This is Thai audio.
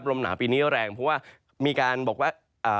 ลมหนาวปีนี้แรงเพราะว่ามีการบอกว่าอ่า